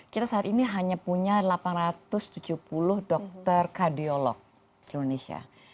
kita saat ini hanya punya delapan ratus tujuh puluh dokter kardiolog seluruh indonesia